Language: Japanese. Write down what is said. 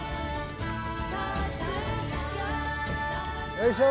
よいしょ！